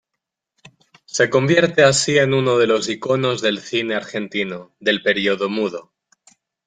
Se convierte así en uno de los íconos del cine argentino del período mudo.